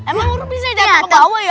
emang huruf bisa jatuh ke bawah ya